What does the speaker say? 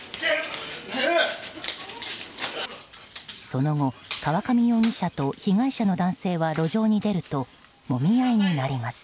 その後、河上容疑者と被害者の男性は、路上に出るともみ合いになります。